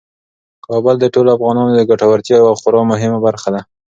کابل د ټولو افغانانو د ګټورتیا یوه خورا مهمه برخه ده.